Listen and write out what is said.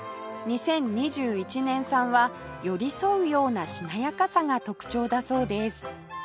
２０２１年産は寄り添うようなしなやかさが特徴だそうです